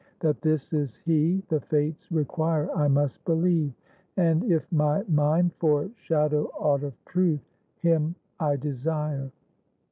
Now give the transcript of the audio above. That this is he the fates Require, I must believe; and if my mind Foreshadow aught of truth, him I desire."